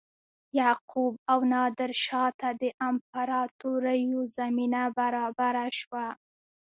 یعقوب او نادرشاه ته د امپراتوریو زمینه برابره شوه.